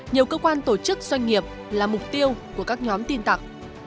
nhiều cơ quan tổ chức doanh nghiệp là mục tiêu của các nhóm tin tặc